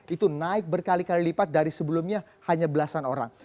itu naik berkali kali lipat dari sebelumnya hanya belasan orang